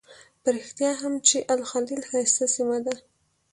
په رښتیا هم چې الخلیل ښایسته سیمه ده.